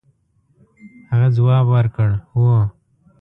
هغه ځواب ورکړ هو.